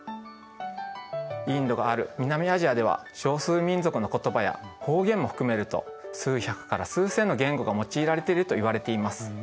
インドがある南アジアでは少数民族の言葉や方言も含めると数百から数千の言語が用いられているといわれています。